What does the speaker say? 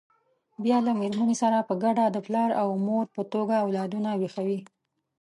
بیا له مېرمنې سره په ګډه د پلار او مور په توګه اولادونه ویښوي.